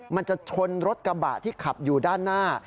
มันจะชนรถกระบะที่ขับอยู่ด้านหน้า